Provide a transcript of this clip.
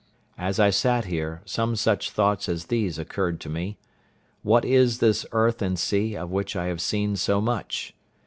As I sat here some such thoughts as these occurred to me: What is this earth and sea, of which I have seen so much?